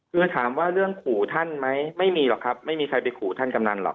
คือถามว่าเรื่องขู่ท่านไหมไม่มีหรอกครับไม่มีใครไปขู่ท่านกำนันหรอก